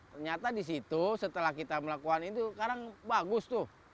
ternyata disitu setelah kita melakukan itu sekarang bagus tuh